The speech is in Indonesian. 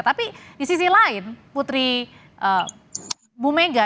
tapi di sisi lain putri bu mega